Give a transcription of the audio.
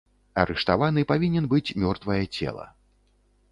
Арыштаваны павінен быць мёртвае цела.